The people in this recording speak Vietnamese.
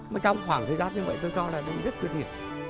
mà trong khoảng thời gian như vậy tôi cho là nó rất tuyệt vời